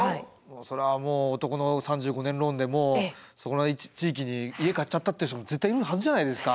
そりゃもう男の３５年ローンでそこの地域に家買っちゃったって人も絶対いるはずじゃないですか。